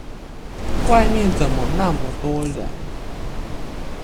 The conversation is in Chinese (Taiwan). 外面怎麼那麼多人？